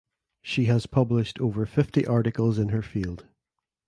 She has published over fifty articles in her field.